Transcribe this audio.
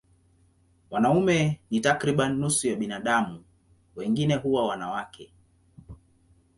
Wanaume ni takriban nusu ya binadamu, wengine huwa wanawake.